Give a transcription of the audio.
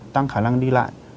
tăng khả năng đi lại